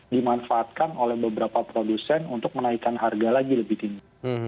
dimanfaatkan oleh beberapa produsen untuk menaikkan harga lagi lebih tinggi